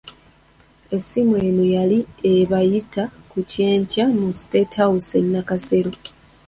Essimu eno yali ebayita ku kyenkya mu State House e Nakasero.